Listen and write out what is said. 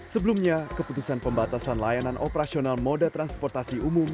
sebelumnya keputusan pembatasan layanan operasional moda transportasi umum